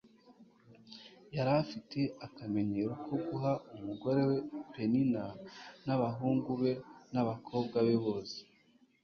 yari afite akamenyero ko guha umugore we penina n'abahungu be n'abakobwa be bose